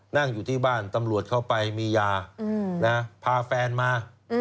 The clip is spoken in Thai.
นั่งอยู่ที่บ้านตำรวจเข้าไปมียาพาแฟนมา